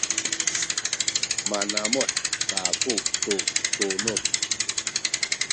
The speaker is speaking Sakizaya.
manamuh kaku tu tunuz